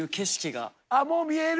もう見える？